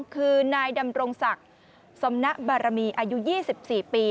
คือนายดำรงศักดิ์สมณบารมีอายุ๒๔ปี